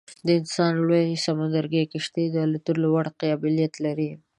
د امریکا لویه سمندري کشتۍ د الوتکو وړلو قابلیت لري